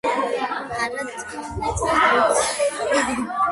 აწარმოებენ ლუდს და რომს.